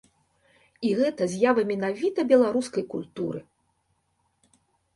І гэта з'ява менавіта беларускай культуры!